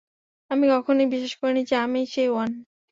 আমি কখনোই বিশ্বাস করিনি যে আমিই সেই ওয়ান।